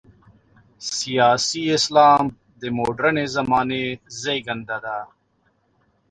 سیاسي اسلام د مډرنې زمانې زېږنده ده.